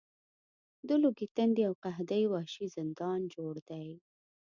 د لوږې، تندې او قحطۍ وحشي زندان جوړ دی.